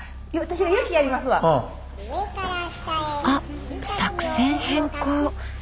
あっ作戦変更。